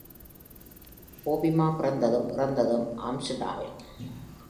ஹோபீமா பிறந்ததும் இறந்ததும் ஆம்ஸ்டர்டாமில்.